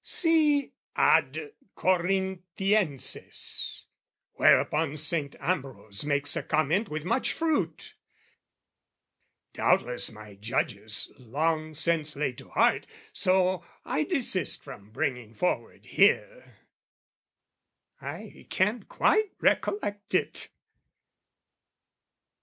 See, ad Corinthienses: whereupon Saint Ambrose makes a comment with much fruit, Doubtless my Judges long since laid to heart, So I desist from bringing forward here (I can't quite recollect it.)